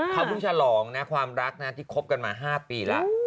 เขาเพิ่งฉลองนะความรักนะที่คบกันมา๕ปีแล้ว